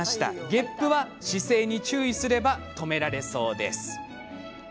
げっぷは、姿勢に注意すれば止められそうです。